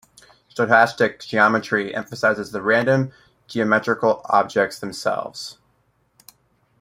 Stochastic geometry emphasises the random geometrical objects themselves.